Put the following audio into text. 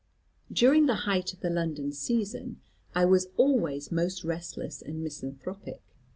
"During the height of the London season I was always most restless and misanthropic.